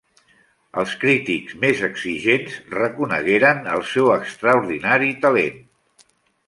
Els crítics més exigents reconegueren el seu extraordinari talent.